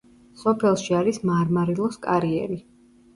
სოფელში არის მარმარილოს კარიერი.